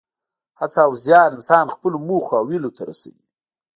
هڅه او زیار انسان خپلو موخو او هیلو ته رسوي.